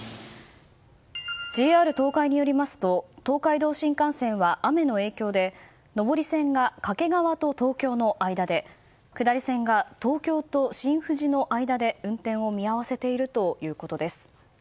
ＪＲ東海によりますと東海道新幹線は雨の影響で上り線が掛川と東京の間で下り線が東京と新富士の間で運転を見合わせているということです。